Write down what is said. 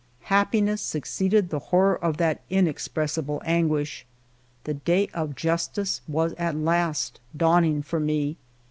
Happiness succeeded the horror of that inexpres sible anguish. The day of justice was at last dawning for me.